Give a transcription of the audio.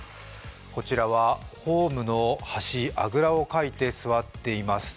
こちらはホームの端にあぐらをかいて座っています。